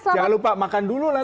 jangan lupa makan dulu lah